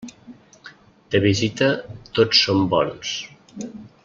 De visita, tots som bons.